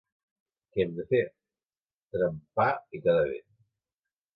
Què hem de fer? —Trempar i quedar bé.